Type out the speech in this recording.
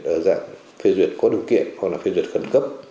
ở dạng phê duyệt có điều kiện hoặc là phê duyệt khẩn cấp